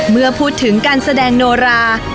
เมื่อพูดถึงการแสดงโนรา